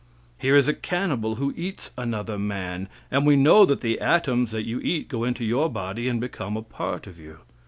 Here is a cannibal, who eats another man; and we know that the atoms that you eat go into your body and become a part of you.